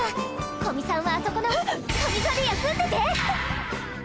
古見さんはあそこの神座で休んでて！